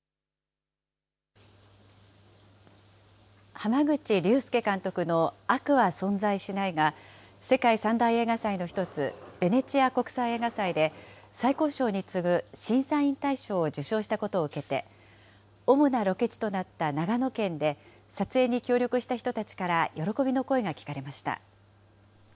濱口竜介監督の悪は存在しないが、世界三大映画祭の一つ、ベネチア国際映画祭で、最高賞に次ぐ審査員大賞を受賞したことを受けて、主なロケ地となった長野県で、撮影に協力した人たちから喜びの声が聞かれました。